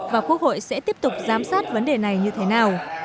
và quốc hội sẽ tiếp tục giám sát vấn đề này như thế nào